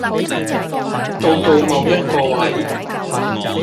到到某一個位